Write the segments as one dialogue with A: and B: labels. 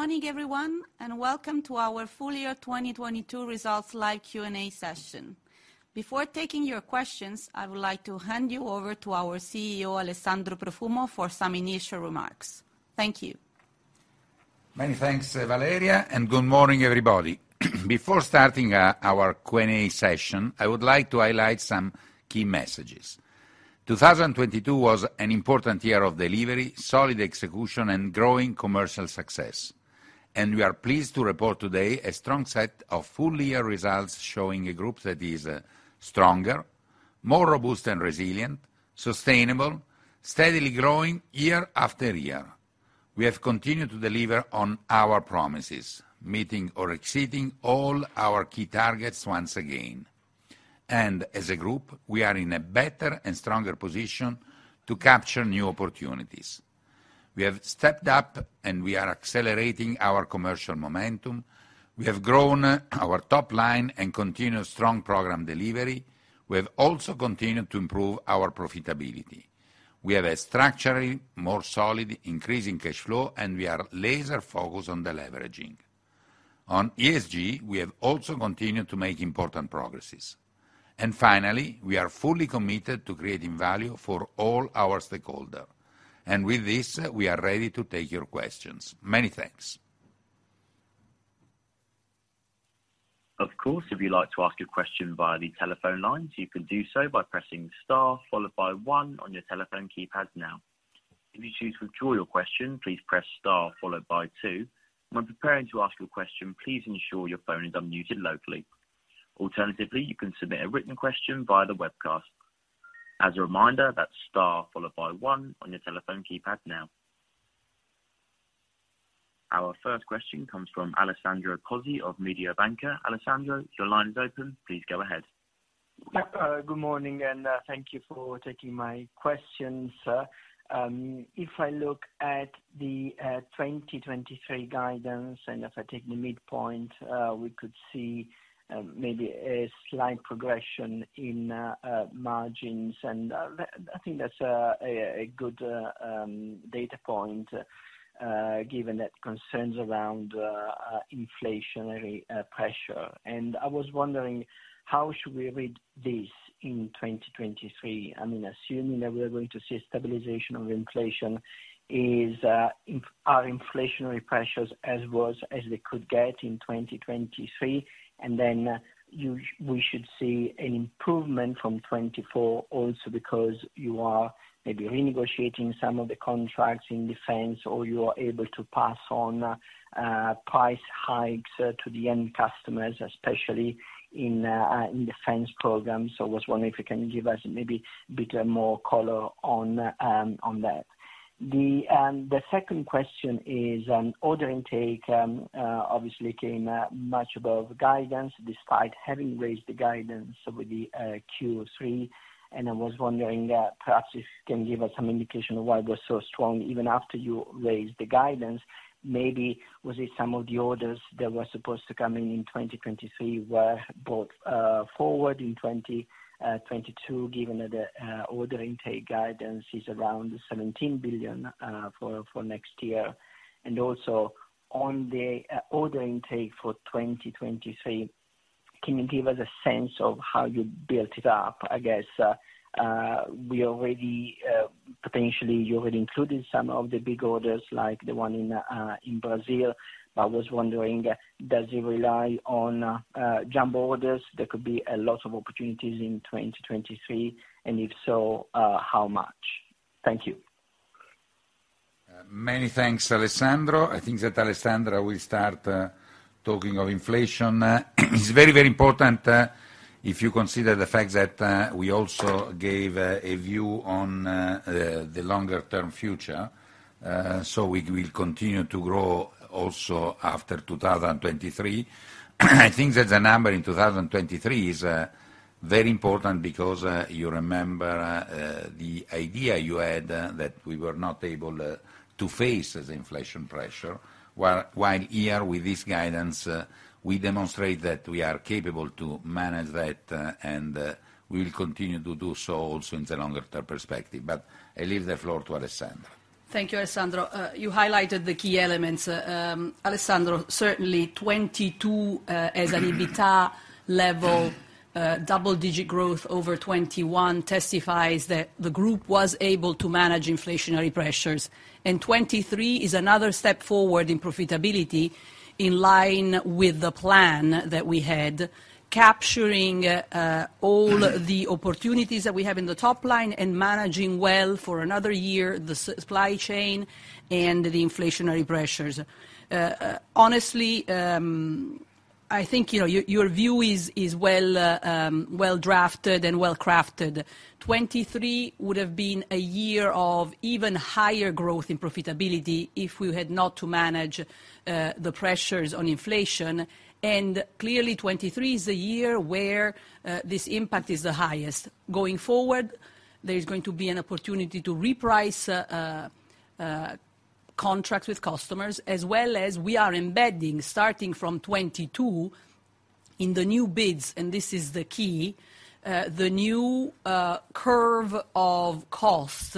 A: Morning everyone, welcome to our full year 2022 results live Q&A session. Before taking your questions, I would like to hand you over to our CEO, Alessandro Profumo, for some initial remarks. Thank you.
B: Many thanks, Valeria, and good morning, everybody. Before starting our Q&A session, I would like to highlight some key messages. 2022 was an important year of delivery, solid execution and growing commercial success. We are pleased to report today a strong set of full year results showing a group that is stronger, more robust and resilient, sustainable, steadily growing year after year. We have continued to deliver on our promises, meeting or exceeding all our key targets once again. As a group, we are in a better and stronger position to capture new opportunities. We have stepped up and we are accelerating our commercial momentum. We have grown our top line and continue strong program delivery. We have also continued to improve our profitability. We have a structurally more solid increase in cash flow, and we are laser focused on the leveraging. On ESG, we have also continued to make important progresses. Finally, we are fully committed to creating value for all our stakeholder. With this, we are ready to take your questions. Many thanks.
C: Of course, if you'd like to ask a question via the telephone lines, you can do so by pressing star followed by one on your telephone keypad now. If you choose to withdraw your question, please press star followed by two. When preparing to ask your question, please ensure your phone is unmuted locally. Alternatively, you can submit a written question via the webcast. As a reminder, that's star followed by one on your telephone keypad now. Our first question comes from Alessandro Pozzi of Mediobanca. Alessandro, your line is open. Please go ahead.
D: Good morning, thank you for taking my question, sir. If I look at the 2023 guidance, if I take the midpoint, we could see maybe a slight progression in margins. I think that's a good data point given that concerns around inflationary pressure. I was wondering, how should we read this in 2023? I mean, assuming that we are going to see stabilization of inflation, are inflationary pressures as worse as they could get in 2023? We should see an improvement from 2024 also because you are maybe renegotiating some of the contracts in defense, or you are able to pass on price hikes to the end customers, especially in defense programs. I was wondering if you can give us maybe bit more color on that. The second question is on order intake, obviously came much above guidance despite having raised the guidance over the Q3. I was wondering perhaps if can give us some indication of why it was so strong even after you raised the guidance. Maybe was it some of the orders that were supposed to come in in 2023 were brought forward in 2022, given that the order intake guidance is around 17 billion for next year? Also on the order intake for 2023, can you give us a sense of how you built it up? I guess, we already, potentially you already included some of the big orders like the one in Brazil. I was wondering, does it rely on, jumbo orders? There could be a lot of opportunities in 2023, and if so, how much? Thank you.
B: Many thanks, Alessandro. I think that Alessandra will start talking of inflation. It's very, very important, if you consider the fact that we also gave a view on the longer term future, so we will continue to grow also after 2023. I think that the number in 2023 is very important because you remember the idea you had that we were not able to face the inflation pressure. While here with this guidance, we demonstrate that we are capable to manage that, and we will continue to do so also in the longer term perspective. I leave the floor to Alessandra.
E: Thank you, Alessandro. You highlighted the key elements. Alessandro, certainly 2022, as an EBITDA level, double-digit growth over 2021 testifies that the group was able to manage inflationary pressures. 2023 is another step forward in profitability in line with the plan that we had, capturing all the opportunities that we have in the top line and managing well for another year, the supply chain and the inflationary pressures. Honestly, you know, your view is well drafted and well crafted. 2023 would have been a year of even higher growth and profitability if we had not to manage the pressures on inflation. Clearly 2023 is the year where this impact is the highest. Going forward, there is going to be an opportunity to reprice contracts with customers, as well as we are embedding, starting from 2022 in the new bids, and this is the key, the new curve of costs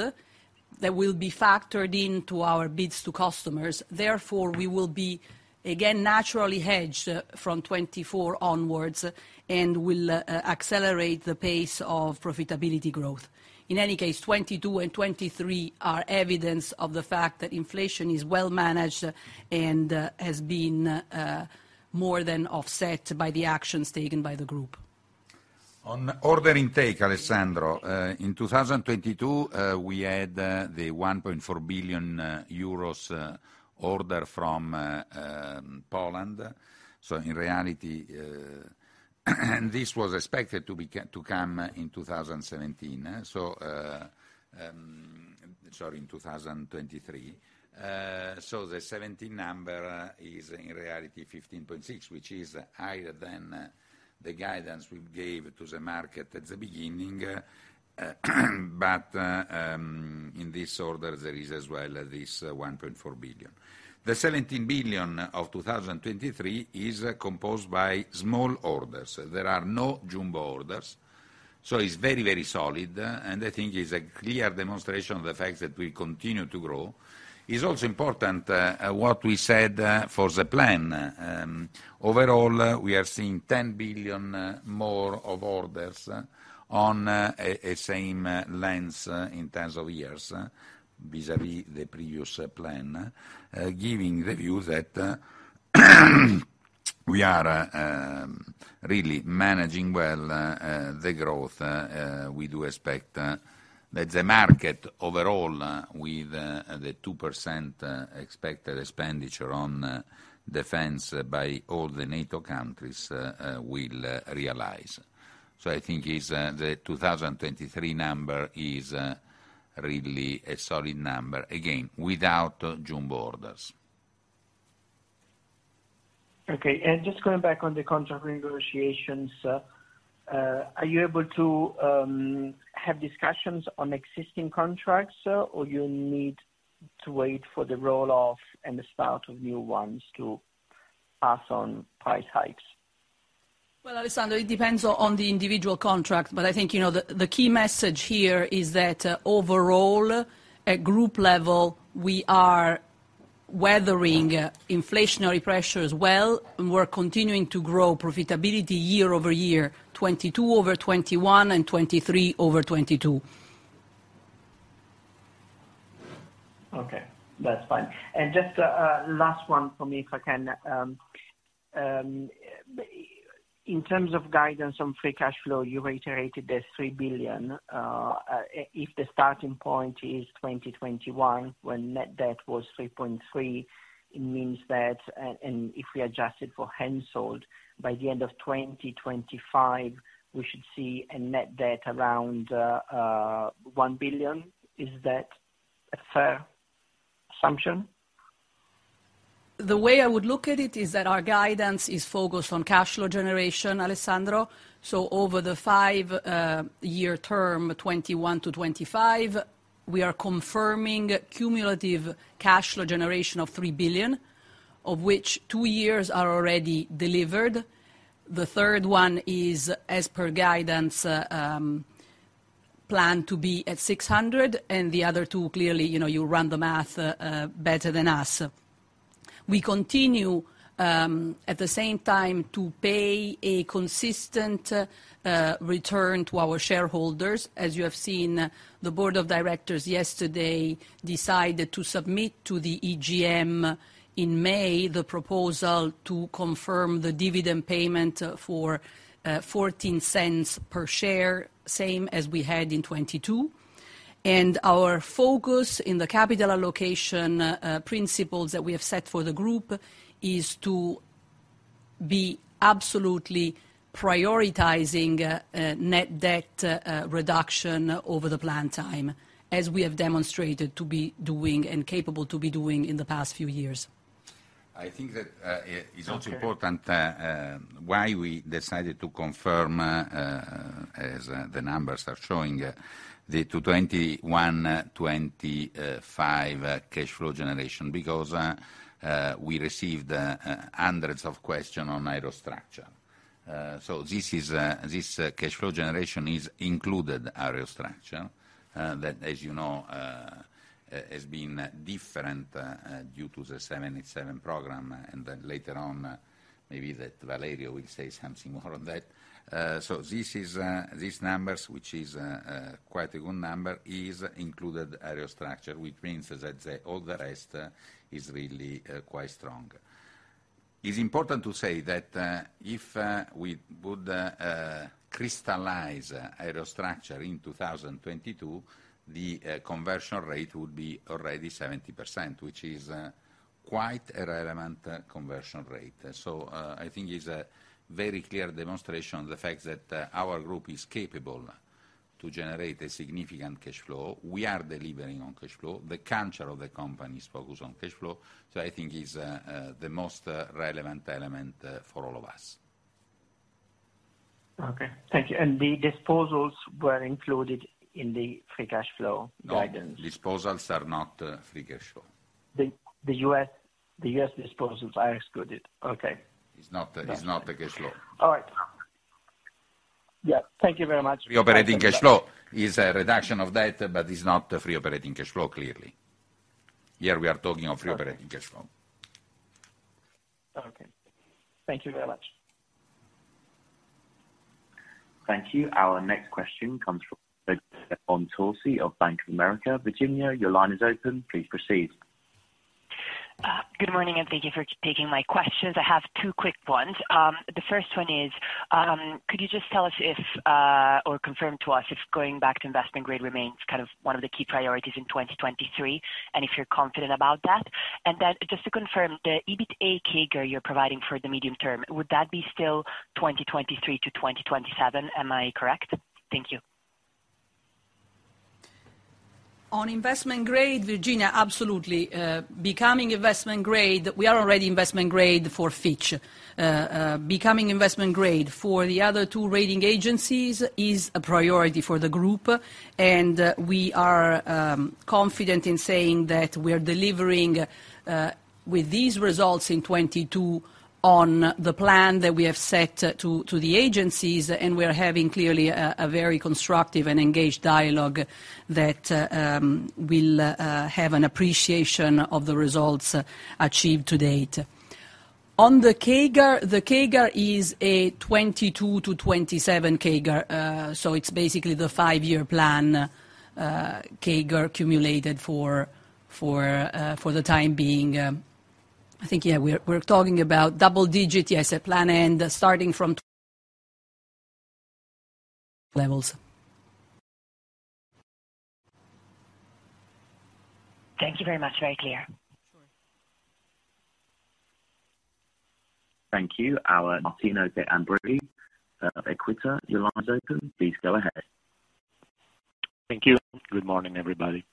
E: that will be factored into our bids to customers, therefore, we will be again naturally hedged from 2024 onwards, and will accelerate the pace of profitability growth. In any case, 2022 and 2023 are evidence of the fact that inflation is well managed and has been more than offset by the actions taken by the group.
B: On order intake, Alessandro, in 2022, we had the 1.4 billion euros order from Poland. In reality, this was expected to come in 2017. Sorry, in 2023. The 17 number is in reality 15.6, which is higher than the guidance we gave to the market at the beginning. In this order there is as well this 1.4 billion. The 17 billion of 2023 is composed by small orders. There are no jumbo orders, so it's very, very solid, and I think it's a clear demonstration of the fact that we continue to grow. It's also important what we said for the plan. Overall, we are seeing 10 billion more of orders on same lines in terms of years vis-à-vis the previous plan, giving the view that we are really managing well the growth we do expect that the market overall with the 2% expected expenditure on defense by all the NATO countries will realize. I think is the 2023 number is really a solid number, again, without jumbo orders.
D: Okay. Just going back on the contract negotiations, are you able to have discussions on existing contracts, or you need to wait for the roll off and the start of new ones to pass on price hikes?
E: Well, Alessandro, it depends on the individual contract. I think, you know, the key message here is that overall, at group level, we are weathering inflationary pressures well, and we're continuing to grow profitability year-over-year, 22 over 21 and 23 over 22.
D: Okay, that's fine. Just last one for me, if I can. In terms of guidance on free cash flow, you reiterated the 3 billion, if the starting point is 2021, when net debt was 3.3 billion, it means that, and if we adjust it for Hensoldt, by the end of 2025, we should see a net debt around 1 billion. Is that a fair assumption?
E: The way I would look at it is that our guidance is focused on cash flow generation, Alessandro. Over the five-year term, 2021 to 2025, we are confirming cumulative cash flow generation of 3 billion, of which two years are already delivered. The third one is, as per guidance, planned to be at 600 million, and the other two, clearly, you know, you run the math better than us. We continue at the same time to pay a consistent return to our shareholders. As you have seen, the board of directors yesterday decided to submit to the EGM in May, the proposal to confirm the dividend payment for 0.14 per share, same as we had in 2022. Our focus in the capital allocation principles that we have set for the group is to be absolutely prioritizing net debt reduction over the plan time, as we have demonstrated to be doing and capable to be doing in the past few years.
B: I think that it's also important why we decided to confirm as the numbers are showing, the 2021-2025 cash flow generation. We received hundreds of question on Aerostructures. This is this cash flow generation is included Aerostructures, that as you know, has been different due to the 787 program and later on, maybe that Valerio will say something more on that. This is these numbers, which is quite a good number, is included Aerostructures, which means that the all the rest is really quite strong. It's important to say that if we would crystallize Aerostructures in 2022, the conversion rate would be already 70%, which is quite a relevant conversion rate. I think it's a very clear demonstration of the fact that our group is capable to generate a significant cash flow. We are delivering on cash flow. The culture of the company is focused on cash flow. I think it's the most relevant element for all of us.
D: Okay. Thank you. The disposals were included in the free cash flow guidance?
B: No, disposals are not free cash flow.
D: The US disposals are excluded. Okay.
B: It's not, it's not the cash flow.
D: All right. Yeah. Thank you very much.
B: The operating cash flow is a reduction of data, but it's not the free operating cash flow, clearly. Here, we are talking of free operating cash flow.
D: Okay. Thank you very much.
C: Thank you. Our next question comes from Virginia Montorsi of Bank of America. Virginia, your line is open. Please proceed.
F: Good morning. Thank you for taking my questions. I have two quick ones. The first one is, could you just tell us if or confirm to us if going back to investment grade remains kind of one of the key priorities in 2023, if you're confident about that? Just to confirm, the EBITA CAGR you're providing for the medium term, would that be still 2023 to 2027? Am I correct? Thank you.
E: On investment grade, Virginia, absolutely. Becoming investment grade, we are already investment grade for Fitch. Becoming investment grade for the other two rating agencies is a priority for the group, we are confident in saying that we are delivering with these results in 2022 on the plan that we have set to the agencies, and we are having clearly a very constructive and engaged dialogue that will have an appreciation of the results achieved to date. On the CAGR, the CAGR is a 2022-2027 CAGR, it's basically the five-year plan CAGR accumulated for the time being. I think, yeah, we're talking about double digits as a plan and starting from levels.
F: Thank you very much. Very clear.
E: Sure.
A: Thank you. Now Martino De Ambroggi of Equita, your line is open. Please go ahead.
G: Thank you. Good morning, everybody.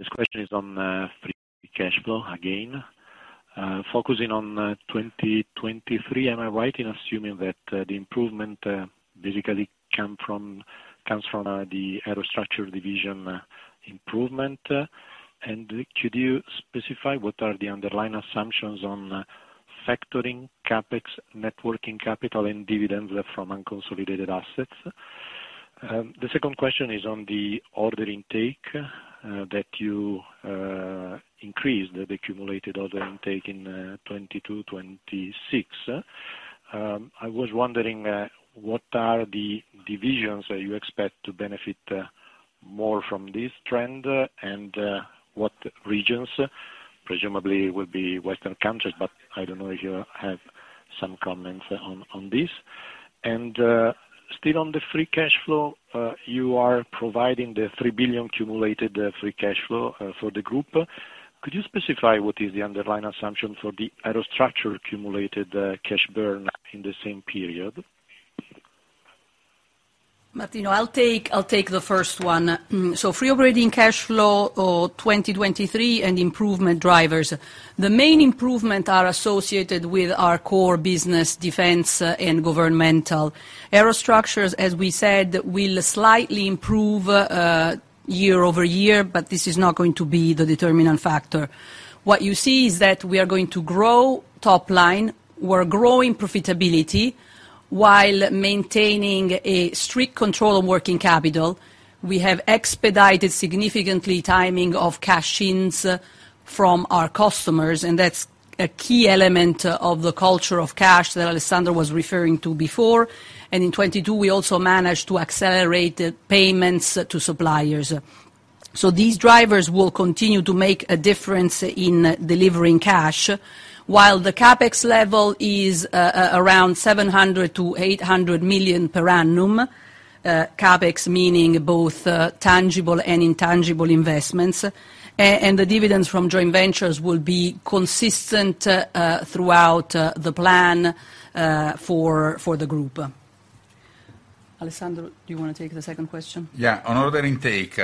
G: This question is on free cash flow again. Focusing on 2023, am I right in assuming that the improvement basically comes from the Aerostructures division improvement? Could you specify what are the underlying assumptions on factoring CapEx, networking capital, and dividends from unconsolidated assets? The second question is on the order intake that you increased, the accumulated order intake in 2022-2026. I was wondering what are the divisions that you expect to benefit more from this trend, and what regions presumably will be Western countries, but I don't know if you have some comments on this. Still on the free cash flow, you are providing the 3 billion accumulated free cash flow for the group. Could you specify what is the underlying assumption for the aerostructure accumulated cash burn in the same period?
E: Martino, I'll take the first one. Free operating cash flow for 2023 and improvement drivers. The main improvement are associated with our core business, Defense and Governmental. Aerostructures, as we said, will slightly improve year-over-year, this is not going to be the determining factor. What you see is that we are going to grow top line. We're growing profitability while maintaining a strict control on working capital. We have expedited significantly timing of cash-ins from our customers, that's a key element of the culture of cash that Alessandro was referring to before. In 2022, we also managed to accelerate payments to suppliers. These drivers will continue to make a difference in delivering cash. While the CapEx level is around 700 million-800 million per annum, CapEx meaning both tangible and intangible investments. The dividends from joint ventures will be consistent throughout the plan for the group. Alessandro, do you want to take the second question?
B: Yeah. On order intake,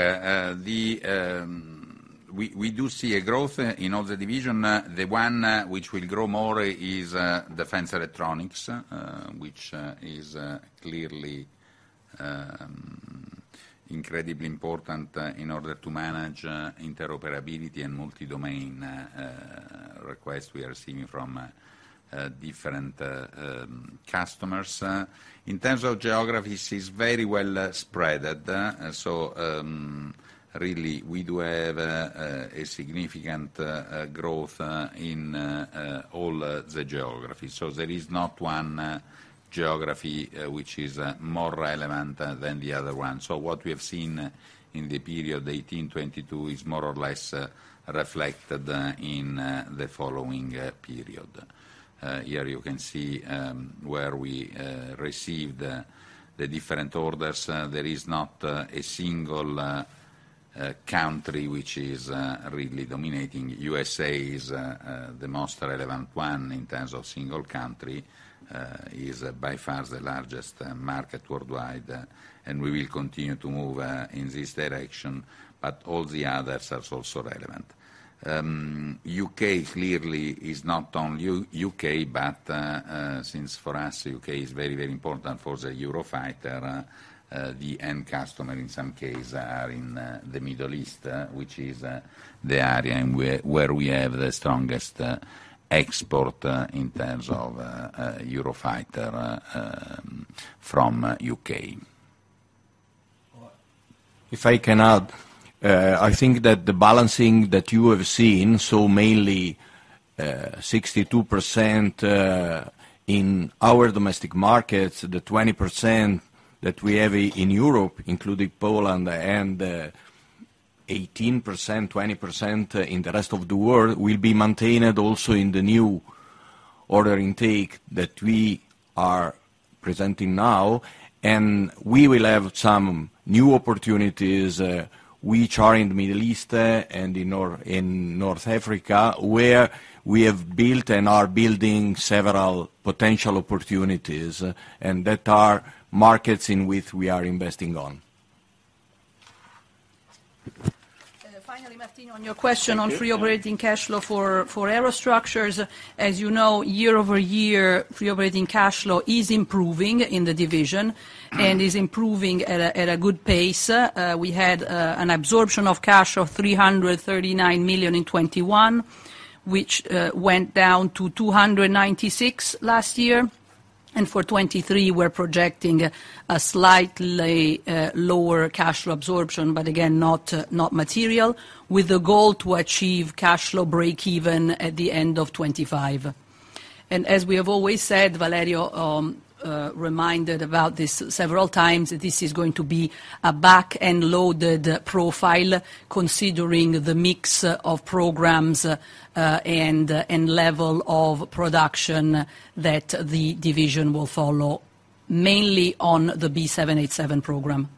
B: we do see a growth in all the division. The one which will grow more is Defense Electronics, which is clearly incredibly important in order to manage interoperability and multi-domain requests we are seeing from different customers. In terms of geographies, it's very well spread. Really, we do have a significant growth in all the geographies. There is not one geography which is more relevant than the other one. What we have seen in the period 2018-2022 is more or less reflected in the following period. Here you can see where we received the different orders. There is not a single country which is really dominating. U.S.A. is the most relevant one in terms of single country, is by far the largest market worldwide, and we will continue to move in this direction, but all the others are also relevant. U.K. clearly is not only U.K., but since for us, U.K. is very important for the Eurofighter, the end customer in some case are in the Middle East, which is the area and where we have the strongest export in terms of Eurofighter from U.K.
H: If I can add, I think that the balancing that you have seen, so mainly, 62% in our domestic markets, the 20% that we have in Europe, including Poland, and 18%, 20% in the rest of the world, will be maintained also in the new order intake that we are presenting now. We will have some new opportunities which are in Middle East and in North Africa, where we have built and are building several potential opportunities, and that are markets in which we are investing on.
E: Finally, Martino, on your question-
G: Thank you.
E: On free operating cash flow for Aerostructures. As you know, year-over-year, free operating cash flow is improving in the division, and is improving at a good pace. We had an absorption of cash of 339 million in 2021, which went down to 296 last year. For 2023, we're projecting a slightly lower cash flow absorption, but again, not material, with a goal to achieve cash flow breakeven at the end of 2025. As we have always said, Valerio reminded about this several times, this is going to be a back-end loaded profile, considering the mix of programs, and level of production that the division will follow, mainly on the 787 program.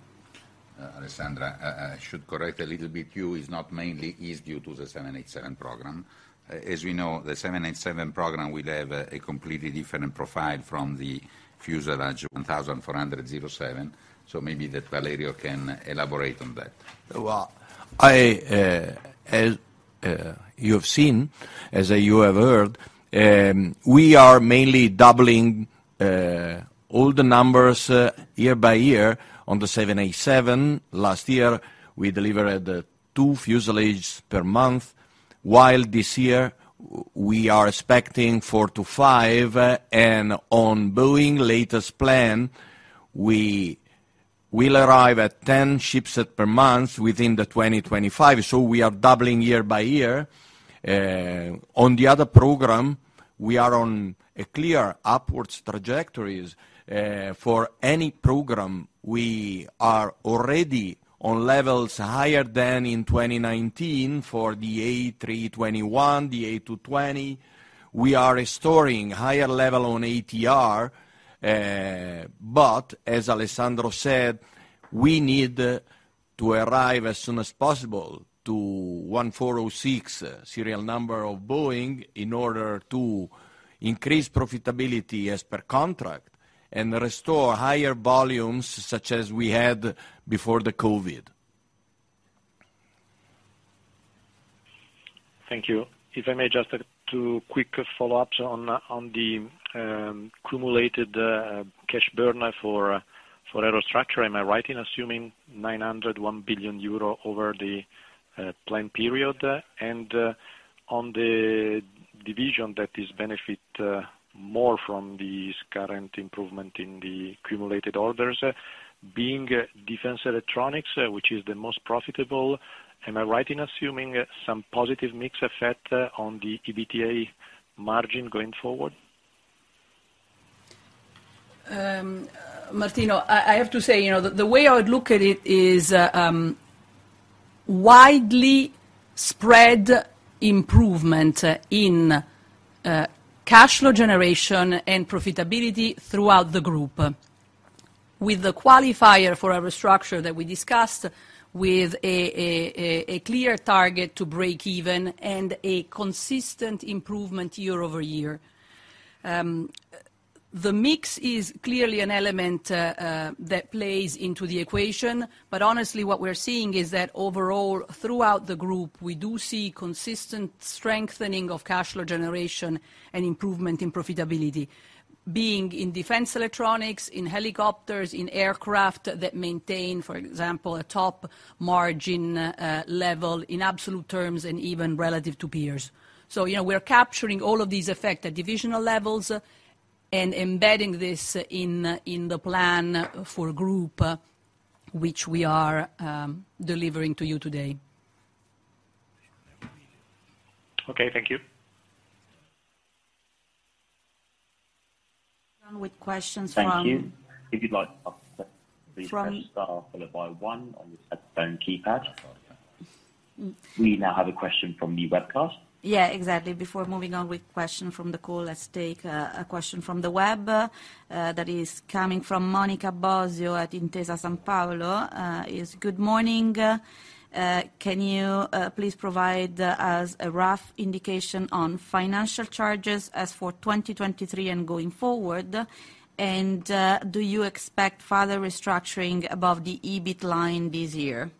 E: Alessandra, I should correct a little bit, you. It's not mainly, is due to the 787 program. As we know, the 787 program will have a completely different profile from the Fuselage 1407. Maybe that Valerio can elaborate on that.
H: As you have seen, as you have heard, we are mainly doubling all the numbers year by year on the 787. Last year, we delivered 2 fuselages per month, while this year we are expecting 4-5. On Boeing latest plan, we will arrive at 10 ships per month within 2025. We are doubling year by year. On the other program, we are on a clear upward trajectories. For any program, we are already on levels higher than in 2019 for the A321, the A220. We are restoring higher level on ATR. As Alessandro said, we need to arrive as soon as possible to 1406 serial number of Boeing in order to increase profitability as per contract and restore higher volumes such as we had before the COVID.
G: Thank you. If I may just add two quick follow-ups on the cumulated cash burner for Aerostructures. Am I right in assuming 900, 1 billion euro over the plan period? On the division that is benefit more from these current improvement in the cumulated orders, being Defense Electronics, which is the most profitable, am I right in assuming some positive mix effect on the EBITA margin going forward?
E: Martino, I have to say, you know, the way I would look at it is, widely spread improvement in cash flow generation and profitability throughout the group, with the qualifier for Aerostructures that we discussed, with a clear target to break even and a consistent improvement year-over-year. The mix is clearly an element that plays into the equation. Honestly, what we're seeing is that overall, throughout the group, we do see consistent strengthening of cash flow generation and improvement in profitability. Being in Defense Electronics, in helicopters, in aircraft that maintain, for example, a top margin level in absolute terms and even relative to peers. You know, we're capturing all of these effect at divisional levels and embedding this in the plan for group, which we are delivering to you today.
G: Okay, thank you.
A: Done with questions.
C: Thank you. If you'd like to ask a question, please press star followed by one on your telephone keypad. We now have a question from the webcast.
A: Exactly. Before moving on with question from the call, let's take a question from the web that is coming from Monica Bosio at Intesa Sanpaolo. Good morning. Can you please provide us a rough indication on financial charges as for 2023 and going forward? Do you expect further restructuring above the EBIT line this year?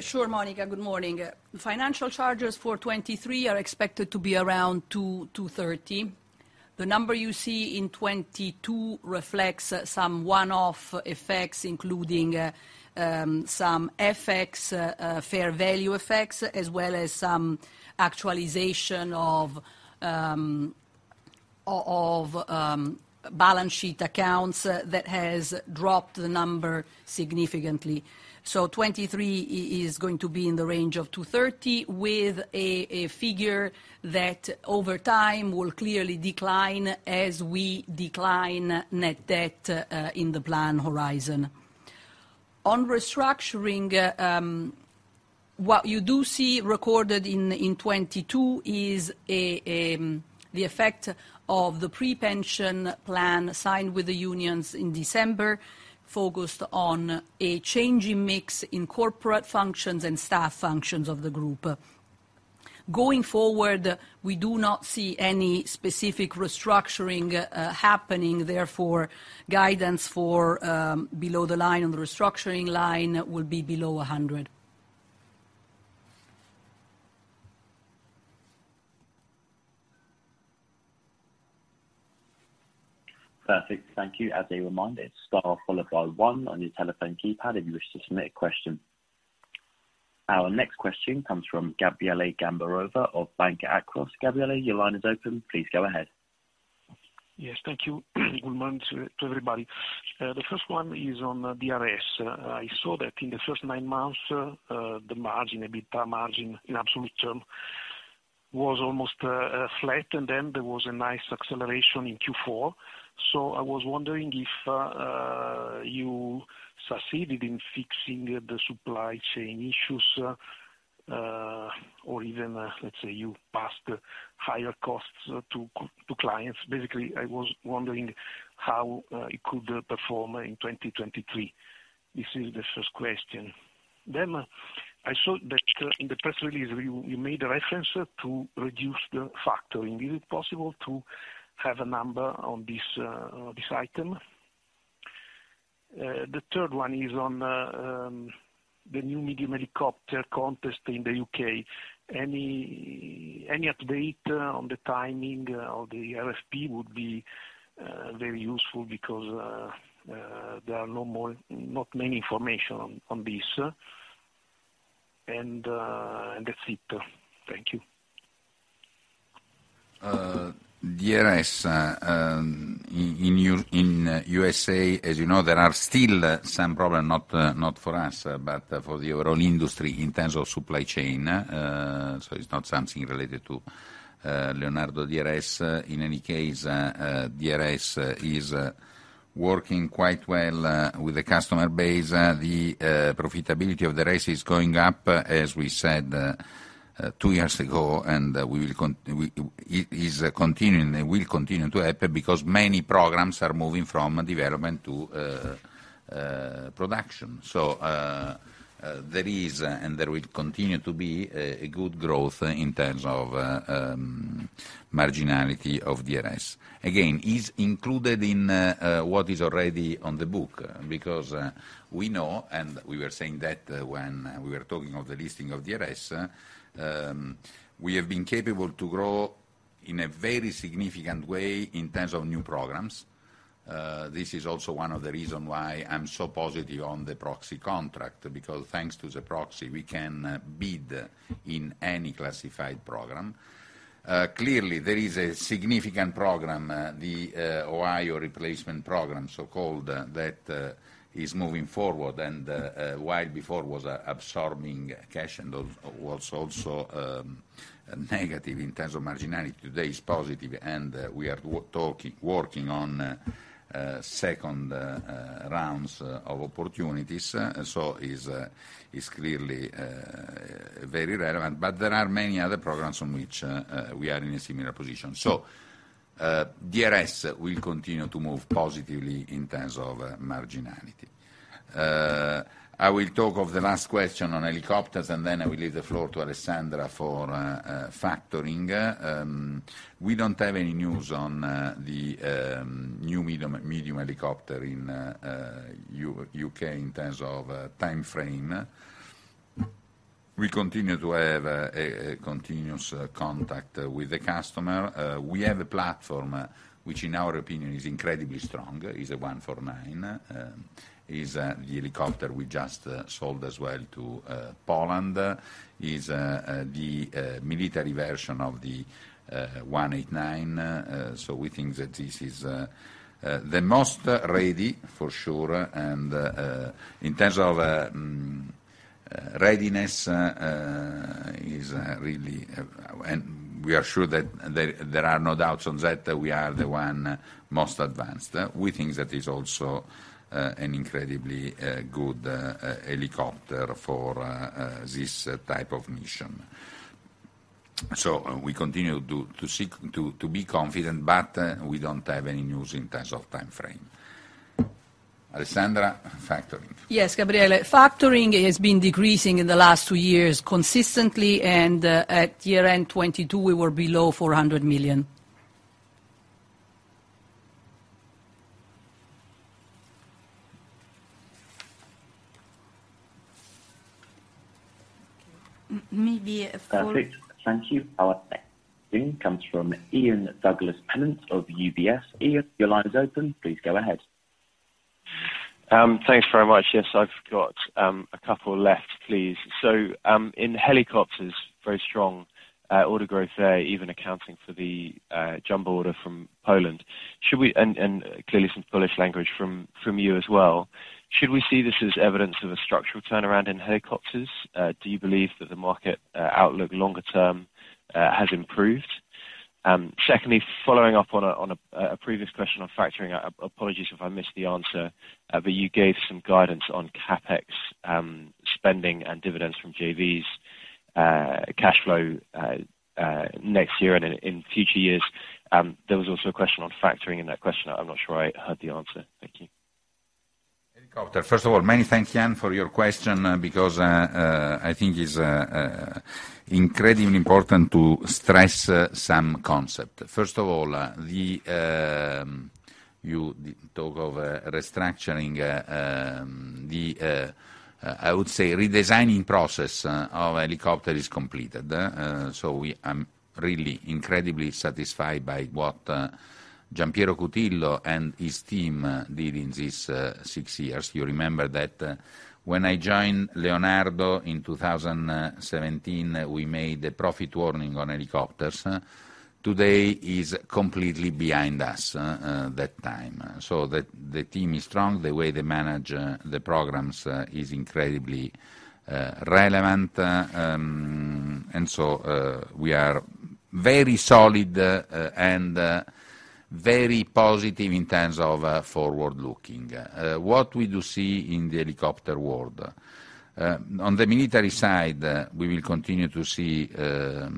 E: Sure, Monica. Good morning. Financial charges for 2023 are expected to be around 230 million. The number you see in 2022 reflects some one-off effects, including some FX fair value effects, as well as some actualization of balance sheet accounts that has dropped the number significantly. 2023 is going to be in the range of 230 million, with a figure that over time will clearly decline as we decline net debt in the plan horizon. On restructuring, what you do see recorded in 2022 is the effect of the pre-pension plan signed with the unions in December, focused on a changing mix in corporate functions and staff functions of the group. Going forward, we do not see any specific restructuring, happening, therefore, guidance for, below the line, on the restructuring line will be below 100.
C: Perfect. Thank you. As a reminder, it's star followed by one on your telephone keypad if you wish to submit a question. Our next question comes from Gabriele Gambarova of Banca Akros. Gabriele, your line is open. Please go ahead.
I: Yes, thank you. Good morning to everybody. The first one is on DRS. I saw that in the first nine months, the margin, EBITDA margin in absolute term, was almost flat, and then there was a nice acceleration in Q4. I was wondering if you succeeded in fixing the supply chain issues, or even, let's say, you passed higher costs to clients. Basically, I was wondering how it could perform in 2023. This is the first question. I saw that in the press release, you made a reference to reduce the factoring. Is it possible to have a number on this on this item? The third one is on the new medium helicopter contest in the U.K. Any update on the timing of the RFP would be very useful because there are not many information on this. And that's it. Thank you.
B: DRS, in USA, as you know, there are still some problem, not for us, but for the overall industry in terms of supply chain. It's not something related to Leonardo DRS. In any case, DRS is working quite well with the customer base. The profitability of DRS is going up, as we said two years ago, and it is continuing, and will continue to happen because many programs are moving from development to production. There is and there will continue to be a good growth in terms of marginality of DRS. Again, is included in what is already on the book, because we know and we were saying that when we were talking of the listing of DRS, we have been capable to grow in a very significant way in terms of new programs. This is also one of the reason why I'm so positive on the Proxy contract, because thanks to the Proxy, we can bid in any classified program. Clearly, there is a significant program, the Ohio Replacement Program, so-called, that is moving forward. While before was absorbing cash and was also negative in terms of marginality, today is positive, and we are talking, working on second rounds of opportunities. is clearly very relevant. There are many other programs on which we are in a similar position. DRS will continue to move positively in terms of marginality. I will talk of the last question on helicopters, and then I will leave the floor to Alessandra for factoring. We don't have any news on the new medium helicopter in UK in terms of timeframe. We continue to have a continuous contact with the customer. We have a platform which, in our opinion, is incredibly strong. It's a 149. It's the helicopter we just sold as well to Poland, is the military version of the 189. We think that this is the most ready for sure. In terms of readiness, is really. We are sure that there are no doubts on that. We are the one most advanced. We think that is also an incredibly good helicopter for this type of mission. We continue to seek to be confident, but we don't have any news in terms of timeframe. Alessandra, factoring.
E: Yes, Gabriele. Factoring has been decreasing in the last two years consistently, and, at year-end 2022, we were below 400 million.
A: Maybe
C: Perfect. Thank you. Our next thing comes from Ian Douglas-Pennant of UBS. Ian, your line is open. Please go ahead.
J: Thanks very much. Yes, I've got a couple left, please. In helicopters, very strong order growth there, even accounting for the jumbo order from Poland. Clearly some bullish language from you as well. Should we see this as evidence of a structural turnaround in helicopters? Do you believe that the market outlook longer term has improved? Secondly, following up on a previous question on factoring, apologies if I missed the answer, but you gave some guidance on CapEx spending and dividends from JVs, cash flow next year and in future years. There was also a question on factoring in that question. I'm not sure I heard the answer. Thank you.
B: Helicopter. First of all, many thanks, Ian, for your question, because I think it's incredibly important to stress some concept. First of all, you talk of restructuring, the I would say redesigning process of helicopter is completed. We really incredibly satisfied by what Gian Piero Cutillo and his team did in this six years. You remember that when I joined Leonardo in 2017, we made a profit warning on helicopters. Today is completely behind us that time. The team is strong. The way they manage the programs is incredibly relevant. We are very solid and very positive in terms of forward-looking. What we do see in the helicopter world, on the military side, we will continue to see a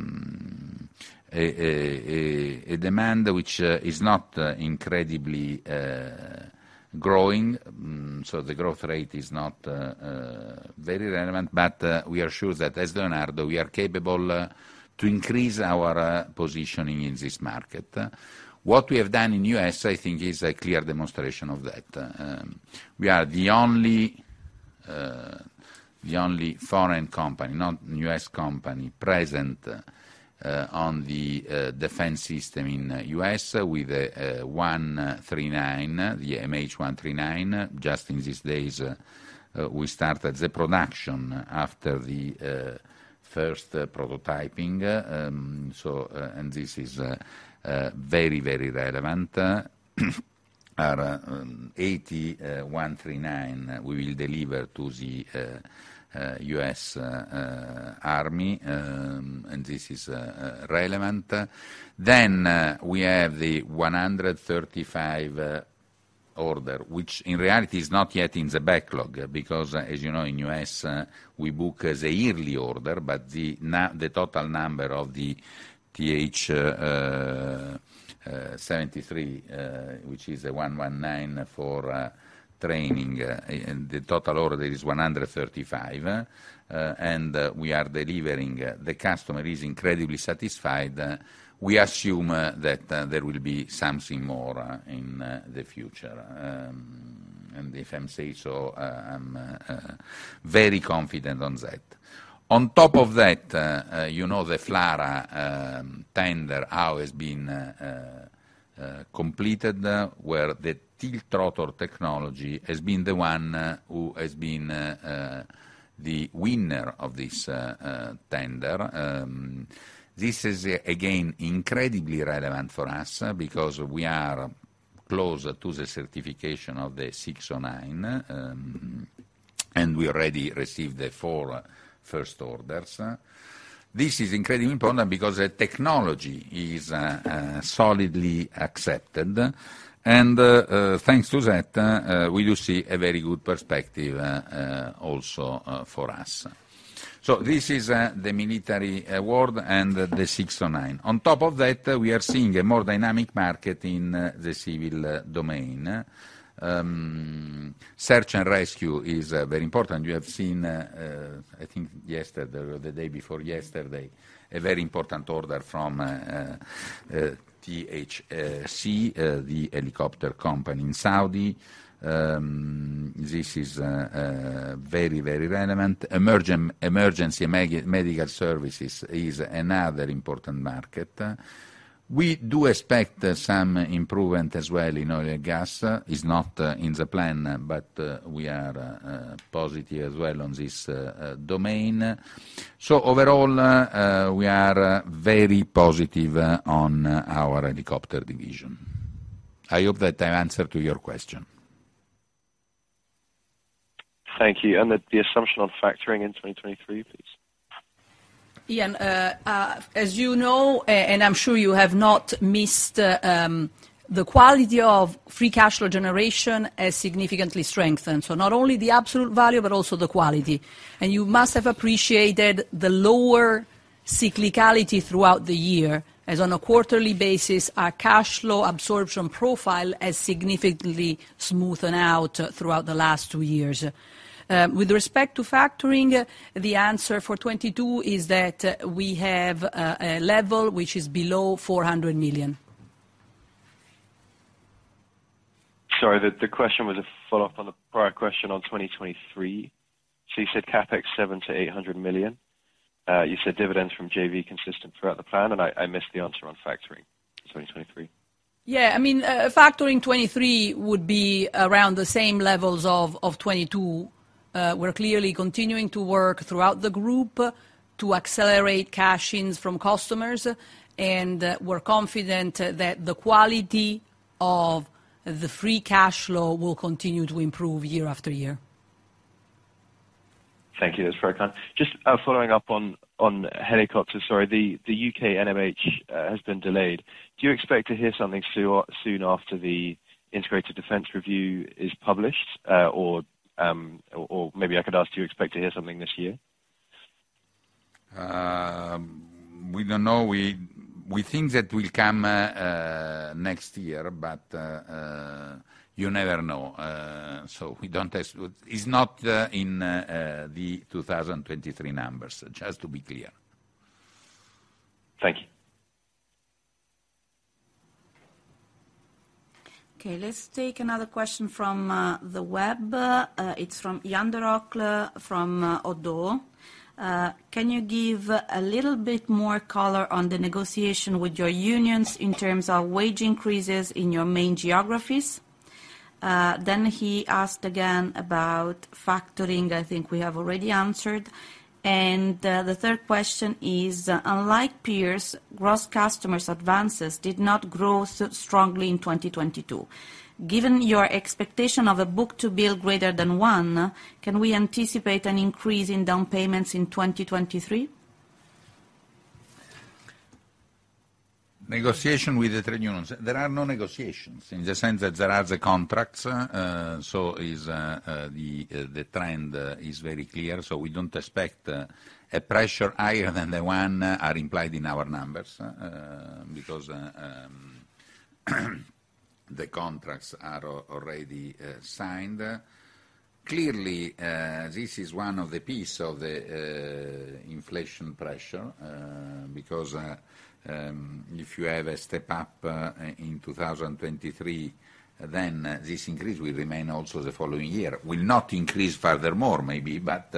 B: demand which is not incredibly growing. The growth rate is not very relevant, but we are sure that as Leonardo, we are capable to increase our positioning in this market. What we have done in U.S., I think, is a clear demonstration of that. We are the only, the only foreign company, not U.S. company, present on the defense system in U.S. with 139, the MH-139. Just in these days, we started the production after the first prototyping. This is very, very relevant. Our AW139, we will deliver to the U.S. Army. This is relevant. We have the 135 order, which in reality is not yet in the backlog because, as you know, in U.S., we book as a yearly order. The total number of the TH-73, which is an AW119 for training. The total order there is 135. We are delivering. The customer is incredibly satisfied. We assume that there will be something more in the future. If I may say so, I'm very confident on that. On top of that, you know, the FLRAA tender, how it's been completed, where the TiltRotor technology has been the one who has been the winner of this tender. This is again incredibly relevant for us because we are closer to the certification of the AW609, and we already received the 4 first orders. This is incredibly important because the technology is solidly accepted. Thanks to that, we do see a very good perspective also for us. This is the military award and the AW609. On top of that, we are seeing a more dynamic market in the civil domain. Search and rescue is very important. You have seen, I think yesterday or the day before yesterday, a very important order from THC, the helicopter company in Saudi. This is very, very relevant. Emergency medical services is another important market. We do expect some improvement as well in oil and gas. It's not in the plan, but we are positive as well on this domain. Overall, we are very positive on our Helicopter Division. I hope that I answered to your question.
J: Thank you. The assumption on factoring in 2023, please.
E: Ian, as you know, and I'm sure you have not missed, the quality of free cash flow generation has significantly strengthened. Not only the absolute value, but also the quality. You must have appreciated the lower cyclicality throughout the year, as on a quarterly basis, our cash flow absorption profile has significantly smoothened out throughout the last 2 years. With respect to factoring, the answer for 2022 is that we have a level which is below 400 million.
J: Sorry, the question was a follow-up on the prior question on 2023. You said CapEx 700 million-800 million. You said dividends from JV consistent throughout the plan, and I missed the answer on factoring 2023.
E: I mean, factoring 2023 would be around the same levels of 2022. We're clearly continuing to work throughout the group to accelerate cash-ins from customers, and we're confident that the quality of the free cash flow will continue to improve year after year.
J: Thank you. That's very kind. Just following up on helicopters, sorry, the U.K. NMH has been delayed. Do you expect to hear something soon after the Integrated Defence Review is published? Maybe I could ask, do you expect to hear something this year?
B: We don't know. We think that will come next year, but you never know. It's not in the 2023 numbers, just to be clear.
J: Thank you.
A: Okay, let's take another question from the web. It's from Jan De Roeck from Oddo. Can you give a little bit more color on the negotiation with your unions in terms of wage increases in your main geographies? He asked again about factoring, I think we have already answered. The third question is, unlike peers, gross customers advances did not grow strongly in 2022. Given your expectation of a book-to-bill greater than 1, can we anticipate an increase in down payments in 2023?
B: Negotiation with the trade unions. There are no negotiations in the sense that there are the contracts. The trend is very clear. We don't expect a pressure higher than the one are implied in our numbers because the contracts are already signed. Clearly, this is one of the piece of the inflation pressure because if you have a step-up in 2023, then this increase will remain also the following year. Will not increase furthermore, maybe, but.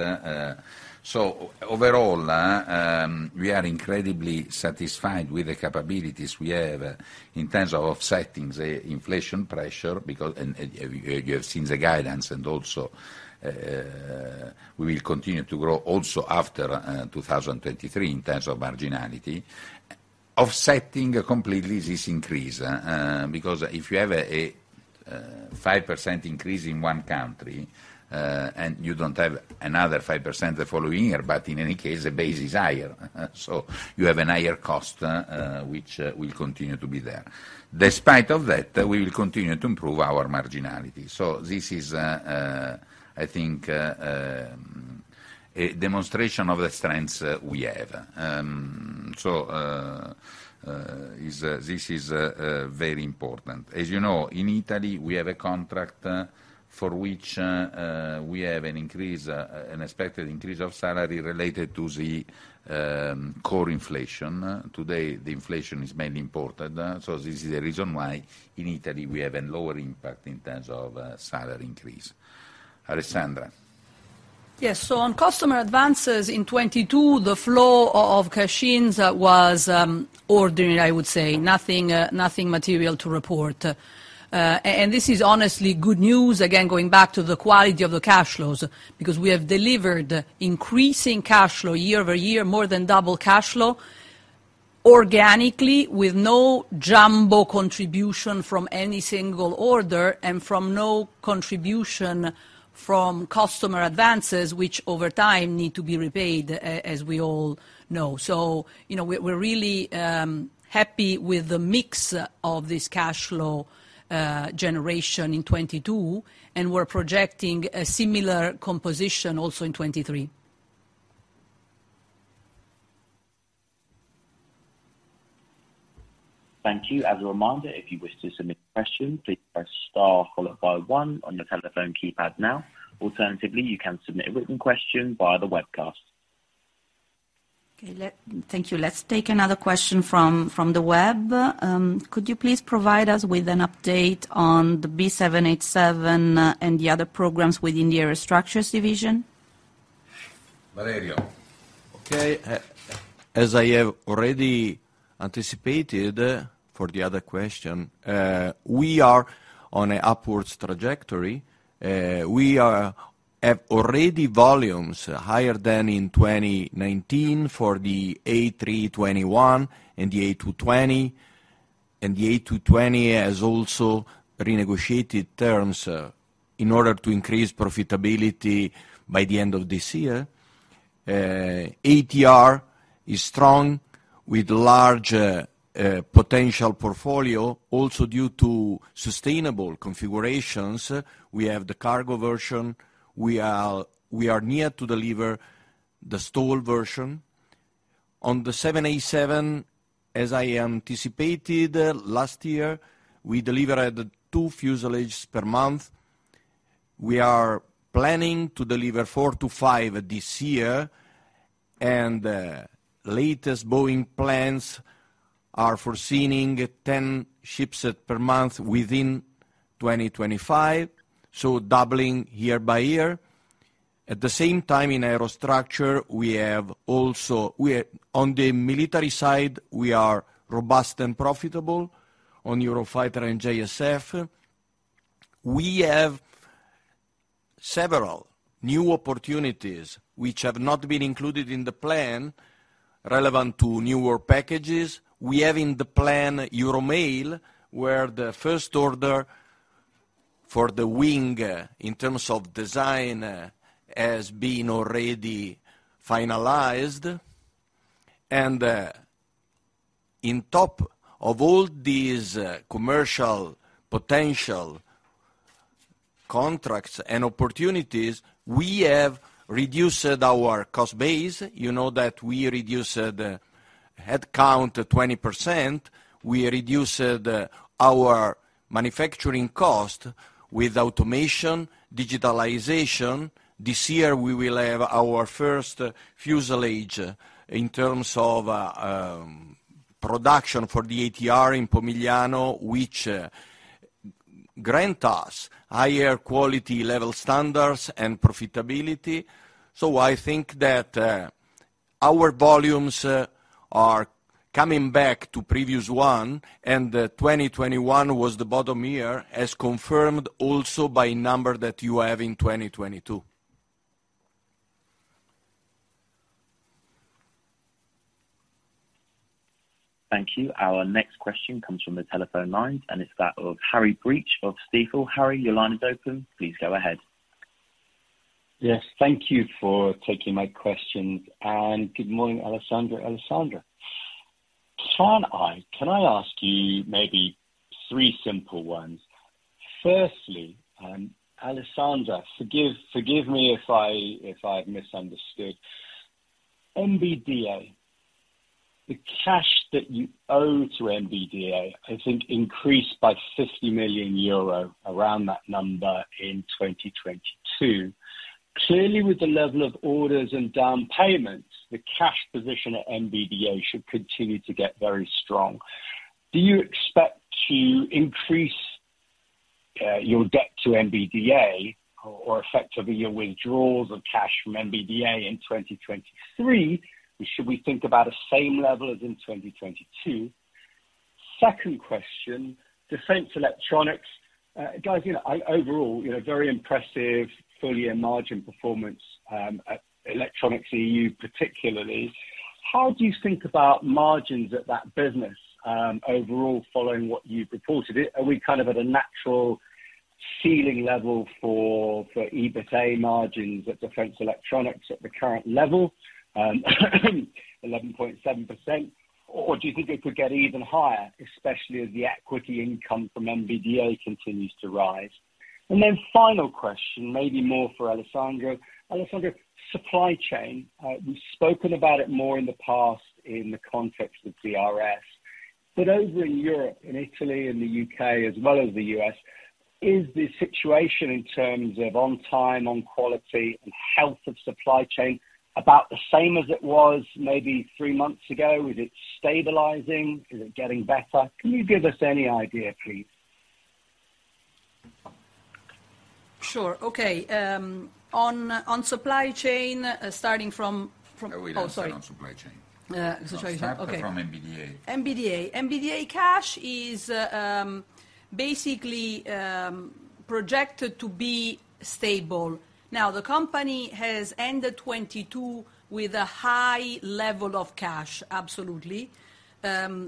B: Overall, we are incredibly satisfied with the capabilities we have in terms of offsetting the inflation pressure because. You have seen the guidance and also, we will continue to grow also after 2023 in terms of marginality, offsetting completely this increase. Because if you have a 5% increase in one country, and you don't have another 5% the following year, but in any case, the base is higher. You have a higher cost, which will continue to be there. Despite of that, we will continue to improve our marginality. This is, I think, a demonstration of the strengths we have. This is very important. As you know, in Italy, we have a contract for which we have an increase, an expected increase of salary related to the core inflation. Today, the inflation is mainly imported, this is the reason why in Italy, we have a lower impact in terms of salary increase. Alessandra?
E: Yes. On customer advances in 2022, the flow of cash-ins was ordinary, I would say. Nothing, nothing material to report. This is honestly good news, again, going back to the quality of the cash flows, because we have delivered increasing cash flow year-over-year, more than double cash flow, organically with no jumbo contribution from any single order and from no contribution from customer advances, which over time need to be repaid as we all know. You know, we're really happy with the mix of this cash flow generation in 2022, and we're projecting a similar composition also in 2023.
C: Thank you. As a reminder, if you wish to submit a question, please press star followed by one on your telephone keypad now. Alternatively, you can submit a written question via the webcast.
A: Thank you. Let's take another question from the web. Could you please provide us with an update on the 787 and the other programs within the Aerostructures division?
B: Valerio.
H: Okay. As I have already anticipated for the other question, we are on an upwards trajectory. We are at already volumes higher than in 2019 for the A321 and the A220. The A220 has also renegotiated terms in order to increase profitability by the end of this year. ATR is strong with large potential portfolio, also due to sustainable configurations. We have the cargo version. We are near to deliver the stall version. On the 787, as I anticipated last year, we delivered 2 fuselages per month. We are planning to deliver 4 to 5 this year, latest Boeing plans are foreseeing 10 ships per month within 2025, so doubling year by year. At the same time, in Aerostructure, on the military side, we are robust and profitable on Eurofighter and JSF. We have several new opportunities which have not been included in the plan relevant to newer packages. We have in the plan EuroMALE, where the first order for the wing in terms of design has been already finalized. in top of all these commercial potential contracts and opportunities, we have reduced our cost base. You know that we reduced headcount 20%. We reduced our manufacturing cost with automation, digitalization. This year, we will have our first fuselage in terms of production for the ATR in Pomigliano, which grant us higher quality level standards and profitability. I think that our volumes are coming back to previous one, and 2021 was the bottom year, as confirmed also by number that you have in 2022.
C: Thank you. Our next question comes from the telephone lines, and it's that of Harry Breach of Stifel. Harry, your line is open. Please go ahead.
K: Yes, thank you for taking my questions. Good morning, Alessandro. Alessandro, can I ask you maybe three simple ones? Firstly, Alessandro, forgive me if I've misunderstood. MBDA. The cash that you owe to MBDA, I think, increased by 50 million euro around that number in 2022. Clearly, with the level of orders and down payments, the cash position at MBDA should continue to get very strong. Do you expect to increase your debt to MBDA or effectively your withdrawals of cash from MBDA in 2023? Should we think about the same level as in 2022? Second question, Defense Electronics. Guys, you know, overall, you know, very impressive full year margin performance at Electronics EU particularly. How do you think about margins at that business overall, following what you reported? Are we kind of at a natural ceiling level for EBITA margins at Defense Electronics at the current level, 11.7%, or do you think it could get even higher, especially as the equity income from MBDA continues to rise? Final question, maybe more for Alessandro. Alessandro, supply chain. We've spoken about it more in the past in the context of DRS. Over in Europe, in Italy and the U.K., as well as the U.S., is the situation in terms of on time, on quality and health of supply chain about the same as it was maybe 3 months ago? Is it stabilizing? Is it getting better? Can you give us any idea, please?
E: Sure. Okay, on supply chain, starting from.
B: No, we don't start on supply chain.
E: Sorry. Okay.
B: From MBDA.
E: MBDA. MBDA cash is basically projected to be stable. The company has ended 2022 with a high level of cash, absolutely.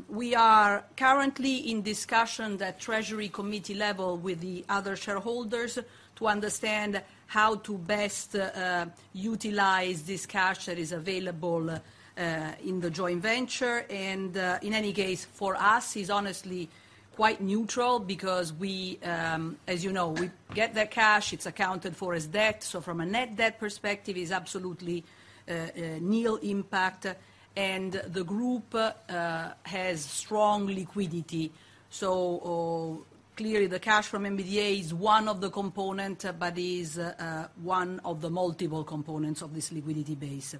E: We are currently in discussions at treasury committee level with the other shareholders to understand how to best utilize this cash that is available in the joint venture. In any case, for us, it's honestly quite neutral because we, as you know, we get the cash, it's accounted for as debt. From a net debt perspective, it's absolutely nil impact. The group has strong liquidity. Clearly, the cash from MBDA is one of the component, but is one of the multiple components of this liquidity base.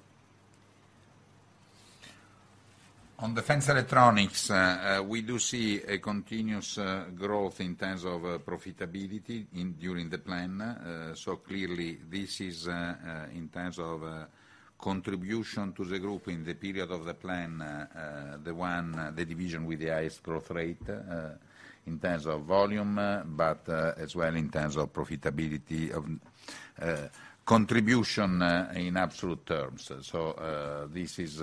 B: On Defense Electronics, we do see a continuous growth in terms of profitability in, during the plan. Clearly this is in terms of contribution to the group in the period of the plan, the one the division with the highest growth rate in terms of volume, but as well in terms of profitability of contribution in absolute terms. This is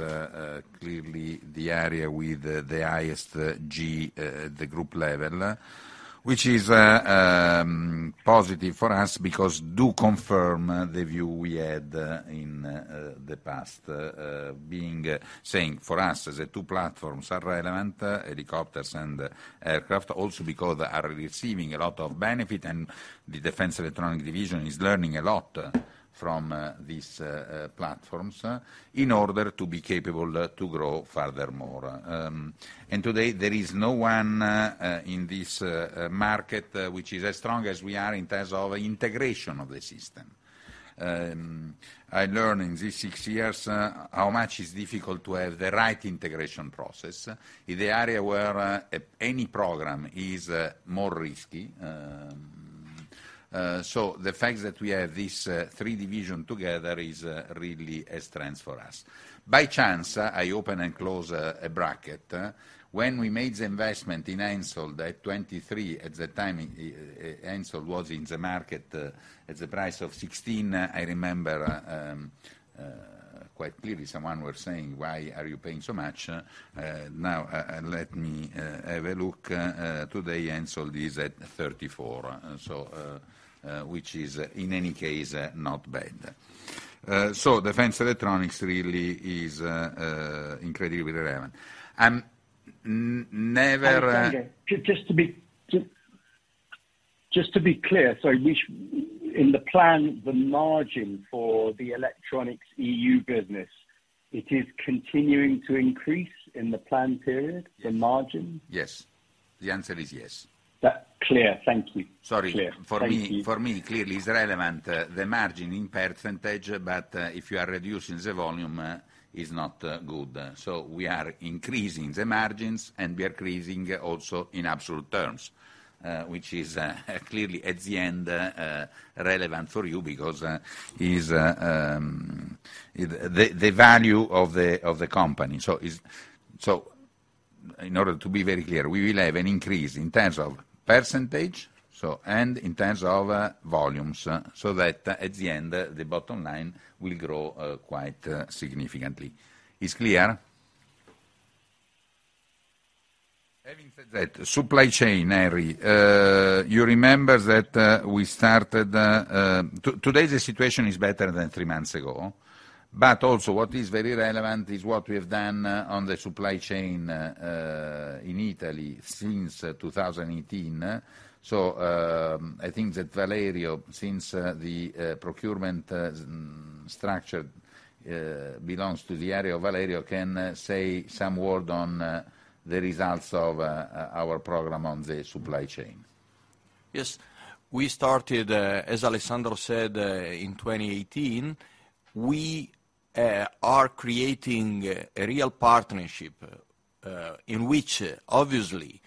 B: clearly the area with the highest G at the group level, which is positive for us because do confirm the view we had in the past, being saying for us as a two platforms are relevant, helicopters and aircraft also because are receiving a lot of benefit and the Defense Electronics division is learning a lot from these platforms in order to be capable to grow furthermore. Today, there is no one in this market which is as strong as we are in terms of integration of the system. I learned in these six years how much is difficult to have the right integration process in the area where any program is more risky. The fact that we have this 3 division together is really a strength for us. By chance, I open and close a bracket. When we made the investment in Ansaldo at 23, at the time, Ansaldo was in the market at the price of 16, I remember quite clearly someone was saying, "Why are you paying so much?" Now, let me have a look, today, Ansaldo is at 34, which is, in any case, not bad. Defense Electronics really is incredibly relevant. I'm never.
K: Just to be clear, which, in the plan, the margin for the Electronics EU business, it is continuing to increase in the plan period, the margin?
B: Yes. The answer is yes.
K: That clear. Thank you.
B: Sorry.
K: Clear. Thank you.
B: For me, clearly it's relevant, the margin in percentage, but if you are reducing the volume, is not good. We are increasing the margins, and we are increasing also in absolute terms, which is clearly at the end relevant for you because is the value of the company. In order to be very clear, we will have an increase in terms of percentage, and in terms of volumes, so that at the end, the bottom line will grow quite significantly. It's clear? Having said that, supply chain, Harry. You remember that we started today the situation is better than 3 months ago. Also what is very relevant is what we have done, on the supply chain, in Italy since 2018. I think that Valerio, since the procurement structure, belongs to the area, Valerio can say some word on the results of our program on the supply chain.
H: Yes. We started, as Alessandro said, in 2018, we are creating a real partnership, in which obviously,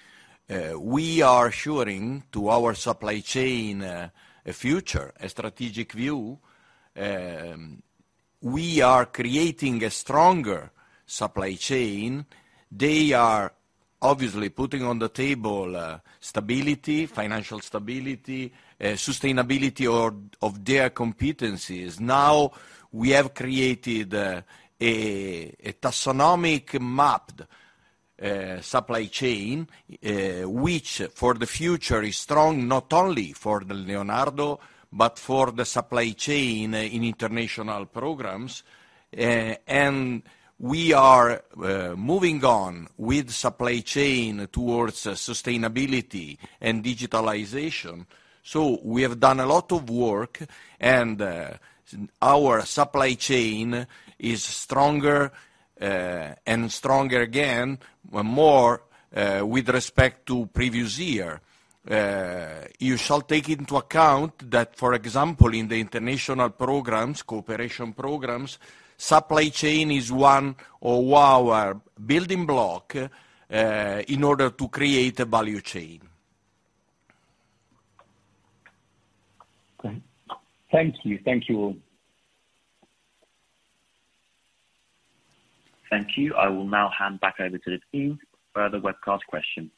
H: we are assuring to our supply chain, a future, a strategic view. We are creating a stronger supply chain. They are obviously putting on the table, stability, financial stability, sustainability or of their competencies. Now, we have created a taxonomic mapped supply chain, which for the future is strong, not only for Leonardo, but for the supply chain in international programs. We are moving on with supply chain towards sustainability and digitalization. We have done a lot of work, and our supply chain is stronger, and stronger again more, with respect to previous year. You shall take into account that, for example, in the international programs, cooperation programs, supply chain is one of our building block, in order to create a value chain.
K: Great. Thank you. Thank you all.
C: Thank you. I will now hand back over to the team for other webcast questions.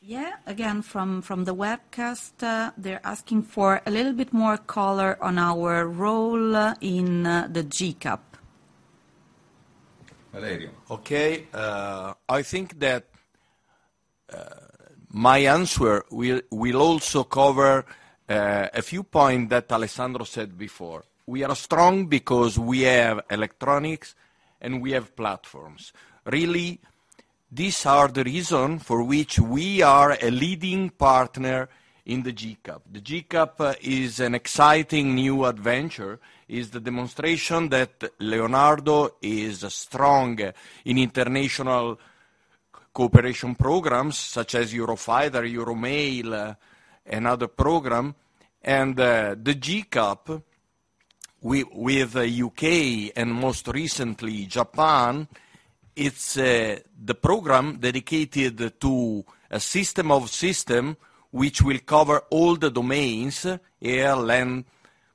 A: Yeah. Again, from the webcast, they're asking for a little bit more color on our role in the GCAP.
B: Valerio.
H: Okay. I think that my answer will also cover a few point that Alessandro said before. We are strong because we have electronics and we have platforms. Really, these are the reason for which we are a leading partner in the GCAP. The GCAP is an exciting new adventure, is the demonstration that Leonardo is strong in international cooperation programs such as Eurofighter, EuroMALE, and other program. The GCAP, with the UK and most recently Japan, it's the program dedicated to a system of system which will cover all the domains, air, land,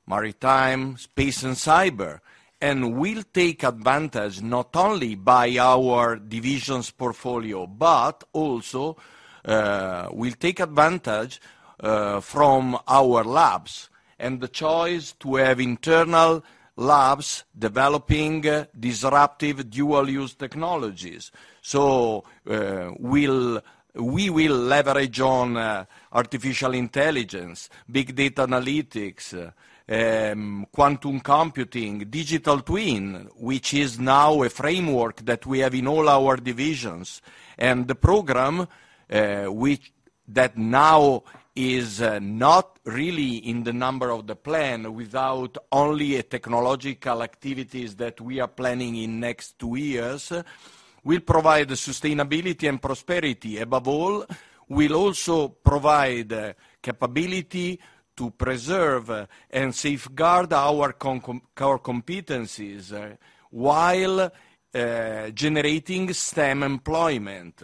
H: maritime, space and cyber. Will take advantage not only by our divisions portfolio, but also will take advantage from our labs and the choice to have internal labs developing disruptive dual use technologies. We will leverage on artificial intelligence, big data analytics, quantum computing, digital twin, which is now a framework that we have in all our divisions. The program, which that now is not really in the number of the plan without only a technological activities that we are planning in next two years, will provide the sustainability and prosperity. Above all, will also provide capability to preserve and safeguard our core competencies, while generating STEM employment.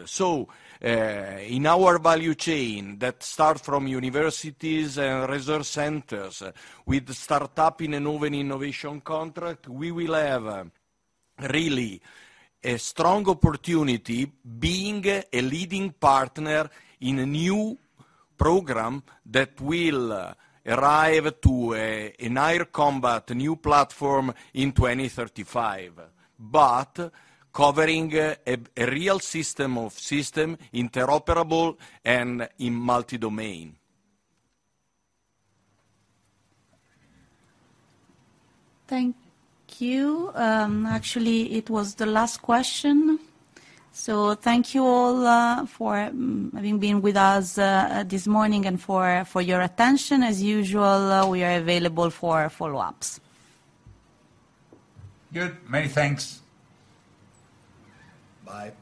H: In our value chain that start from universities and research centers with startup in a new innovation contract, we will have really a strong opportunity being a leading partner in a new program that will arrive to an air combat, a new platform in 2035, but covering a real system of system interoperable and in multi-domain.
A: Thank you. Actually it was the last question. Thank you all for having been with us this morning and for your attention. As usual, we are available for follow-ups.
B: Good. Many thanks. Bye.